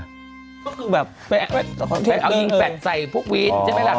ก็คือแบบไปเอายิงแฟดใส่พวกวินใช่ไหมล่ะ